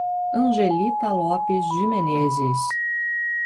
Angelita Lopes de Menezes